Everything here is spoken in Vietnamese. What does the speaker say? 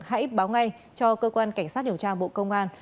hãy báo ngay cho cơ quan cảnh sát điều tra bộ công an